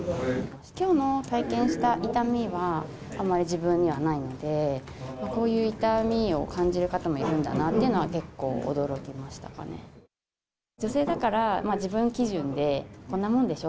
きょうの体験した痛みは、あまり自分にはないので、こういう痛みを感じる方もいるんだなっていうのは、結構驚きまし女性だから、自分基準で、こんなもんでしょ？